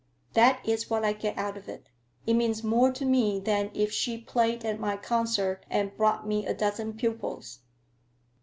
That is what I get out of it. It means more to me than if she played at my concert and brought me a dozen pupils.